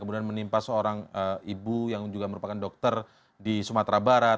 kemudian menimpa seorang ibu yang juga merupakan dokter di sumatera barat